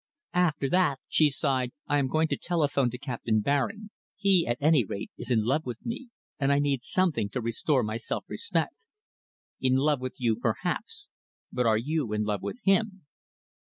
"After that," she sighed, "I am going to telephone to Captain Baring. He, at any rate, is in love with me, and I need something to restore my self respect." "In love with you, perhaps, but are you in love with him?"